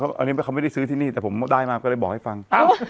อันนี้เขาไม่ได้ซื้อที่นี่แต่ผมได้มาก็เลยบอกให้ฟัง